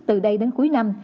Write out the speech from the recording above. từ đây đến cuối năm